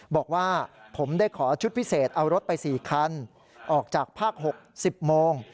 บอกว่าผมได้ขอชุดพิเศษเอารถไป๔คันออกจากภาค๖๑๐โมง